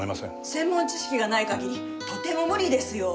専門知識がない限りとても無理ですよ。